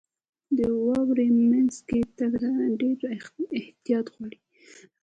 • د واورې مینځ کې تګ ډېر احتیاط غواړي.